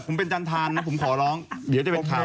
ผมเป็นจันทานนะผมขอร้องเดี๋ยวจะเป็นข่าว